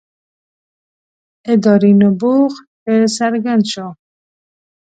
ادارې نبوغ ښه څرګند شو.